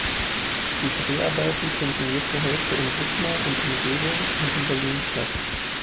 Die Dreharbeiten finden je zur Hälfte in Wismar und Umgebung und in Berlin statt.